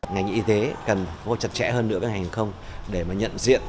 ngành y tế cần vô trật trẻ hơn nữa với hãng hàng không để nhận diện